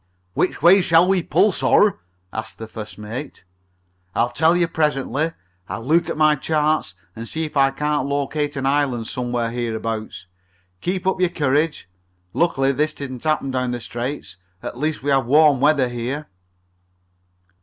"Which way shall we pull, sir?" asked the first mate. "I'll tell you presently. I'll look at my charts and see if I can't locate an island somewhere here abouts. Keep up your courage. Luckily this didn't happen down in the Straits. At least we have warm weather here."